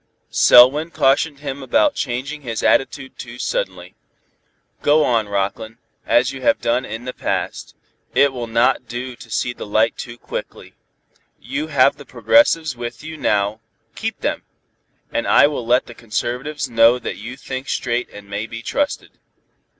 Selwyn cautioned him about changing his attitude too suddenly. "Go on, Rockland, as you have done in the past. It will not do to see the light too quickly. You have the progressives with you now, keep them, and I will let the conservatives know that you think straight and may be trusted.